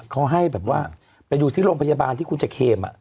เขาให้แบบว่าไปอยู่ที่โรงพยาบาลที่คุณจะเคลียม